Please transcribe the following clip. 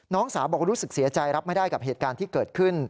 น้องสาวบอกว่ารู้สึกเสียใจรับไม่ได้กับเหตุการณ์ที่เกิดขึ้น